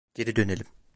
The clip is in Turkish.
Geri dönelim.